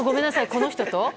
この人と？